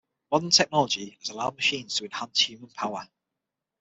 Modern technology has allowed machines to enhance human-power.